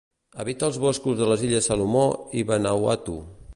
Habita els boscos de les illes Salomó i Vanuatu.